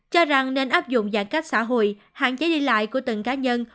cho rằng nên áp dụng giãn cách xã hội hạn chế đi lại của từng cá nhân